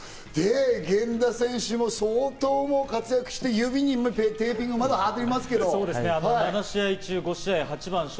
源田選手も相当活躍して、指にテーピングがまだ貼ってありますけど。